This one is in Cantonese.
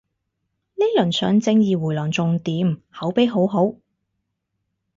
呢輪上正義迴廊仲掂，口碑好好